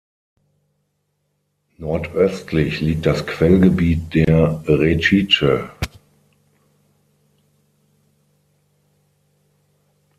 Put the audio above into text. Nordöstlich liegt das Quellgebiet der Řečice.